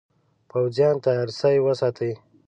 پوځیان تیار سی وساتي.